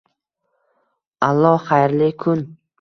— Allo, xayrli kun.